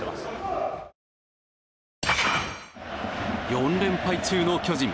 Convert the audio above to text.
４連敗中の巨人。